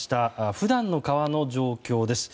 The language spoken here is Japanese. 普段の川の状況です。